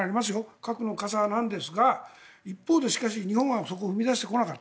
核の傘なんですが一方でしかし、日本がそこを踏み出してこなかった。